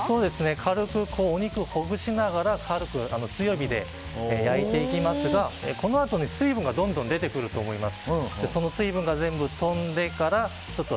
軽くお肉をほぐしながら強火で焼いていきますがこのあとに水分がどんどん出てくると思います。